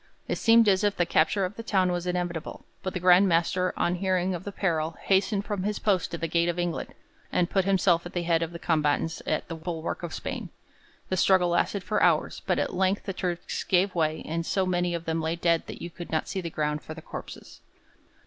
It seemed as if the capture of the town was inevitable, but the Grand Master on hearing of the peril hastened from his post at the gate of England, and put himself at the head of the combatants at the bulwark of Spain. The struggle lasted for hours, but at length the Turks gave way, and so many of them lay dead that you could not see the ground for the corpses.